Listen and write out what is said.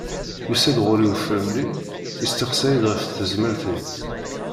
Yusa-d ɣur-i ufremli yesteqsa-yid ɣef tezmert-iw.